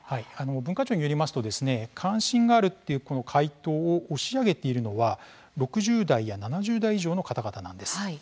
文化庁によりますと関心があるという回答を押し上げているのは６０代や７０代以上の方々です。